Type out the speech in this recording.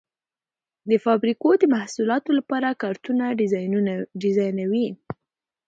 د فابریکو د محصولاتو لپاره کارتنونه ډیزاینوي.